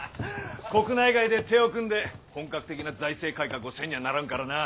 国内外で手を組んで本格的な財政改革をせんにゃあならんからなぁ。